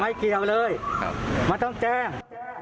ไม่เกลียวเลยไม่ต้องแจ้ง